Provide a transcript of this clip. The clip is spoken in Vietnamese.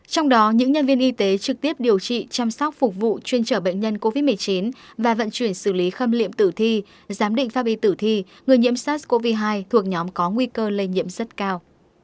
trong đó những nhân viên y tế trực tiếp điều trị chăm sóc phục vụ chuyên trở bệnh nhân covid một mươi chín và vận chuyển xử lý khâm liệm tử thi giám định pháp y tử thi người nhiễm sars cov hai thuộc nhóm có nguy cơ lây nhiễm rất cao